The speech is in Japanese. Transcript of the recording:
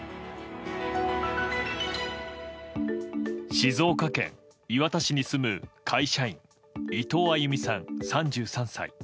静岡県磐田市に住む会社員伊藤亜佑美さん、３３歳。